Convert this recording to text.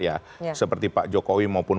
ya seperti pak jokowi maupun